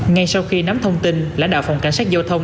ngay sau khi nắm thông tin lãnh đạo phòng cảnh sát giao thông